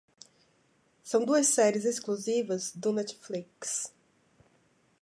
São duas séries exclusivas do Netflix